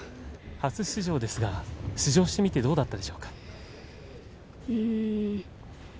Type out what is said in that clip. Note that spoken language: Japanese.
初出場ですが、出場してみてどうだったでしょうか。